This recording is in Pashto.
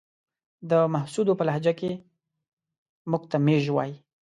د محسودو په لهجه کې موږ ته ميژ وايې.